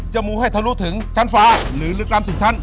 มูให้ทะลุถึงชั้นฟ้าหรือลึกล้ำถึงชั้น